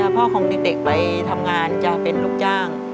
พ่อของเด็กไปทำงานจะเป็นลูกจ้าง